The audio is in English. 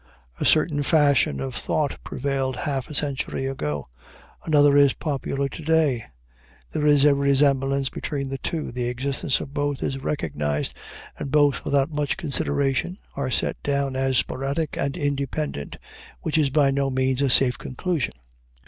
A certain fashion of thought prevailed half a century ago; another is popular to day. There is a resemblance between the two, the existence of both is recognized, and both, without much consideration, are set down as sporadic and independent, which is by no means a safe conclusion.